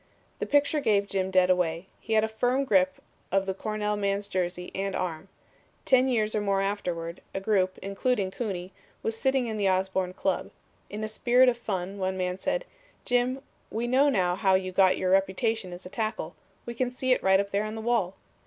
The picture gave Jim dead away. He had a firm grip of the Cornell man's jersey and arm. Ten years or more afterward, a group, including Cooney, was sitting in the Osborn Club. In a spirit of fun one man said, 'Jim, we know now how you got your reputation as a tackle. We can see it right up there on the wall.'